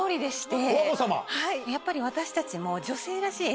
やっぱり私たちも。